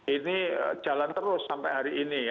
ini jalan terus sampai hari ini ya